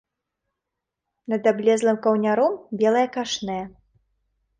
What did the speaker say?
Над аблезлым каўняром белае кашнэ.